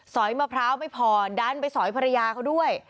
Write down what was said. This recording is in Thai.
อยมะพร้าวไม่พอดันไปสอยภรรยาเขาด้วย